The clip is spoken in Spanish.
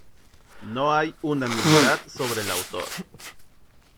No hay unanimidad sobre el autor.